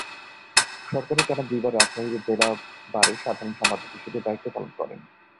সরকার টানা দুইবার রাজশাহীর জেলা বারের সাধারণ সম্পাদক হিসাবে দায়িত্ব পালন করেন।